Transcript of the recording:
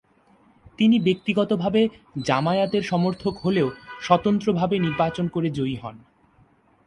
তিনি ব্যক্তিগত ভাবে জামায়াতের সমর্থক হলেও স্বতন্ত্র ভাবে নির্বাচন করে জয়ী হন।